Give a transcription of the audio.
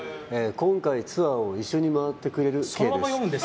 今回ツアーを一緒に回ってくれるＫです。